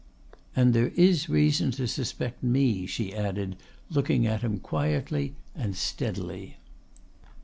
"And there is reason to suspect me," she added, looking at him quietly and steadily.